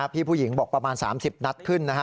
ผู้หญิงบอกประมาณ๓๐นัดขึ้นนะฮะ